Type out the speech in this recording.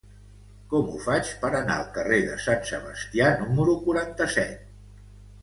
Com ho faig per anar al carrer de Sant Sebastià número quaranta-set?